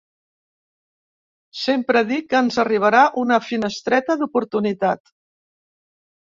Sempre dic que ens arribarà una finestreta d’oportunitat.